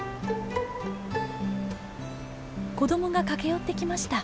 子どもが駆け寄ってきました。